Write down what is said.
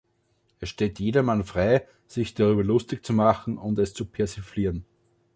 Es steht jedermann frei, sich darüber lustig zu machen und es zu persiflieren.